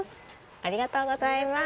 ありがとうございます。